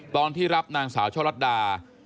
ตอนที่รับนางสาวช่อลัดดา